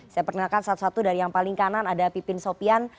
saya perkenalkan satu satu dari yang paling kanan ada pipin sopian